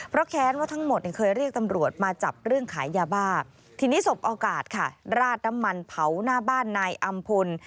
เพราะแค้นว่าทั้งหมดเนี่ยเคยเรียกตำรวจมาจับเรื่องขายยาบ้าทีนี้สบโอกาสค่ะราดน้ำมันเผาหน้าบ้านนายอำพล